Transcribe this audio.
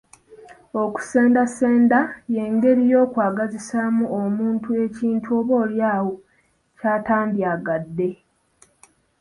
Okusendasenda y'engeri y'okwagazisaamu omuntu ekintu oboolyawo ky'atandyagadde.